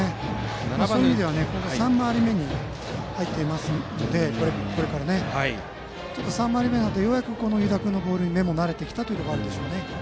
そういう意味では、これから３回り目に入ってきますから３回り目になると湯田君のボールに目も慣れてきたのがあるでしょうね。